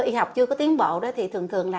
y học chưa có tiến bộ đó thì thường thường là